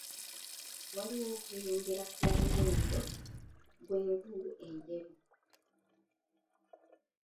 Walwo okweyongera kw'omuwendo gw'envubu enjeru.